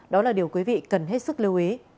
đó là điều quý vị cần hết sức lưu ý